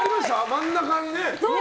真ん中にね。